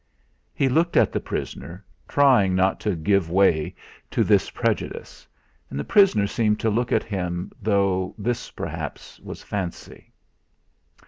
He looked at the prisoner, trying not to give way to this prejudice. And the prisoner seemed to look at him, though this, perhaps, was fancy.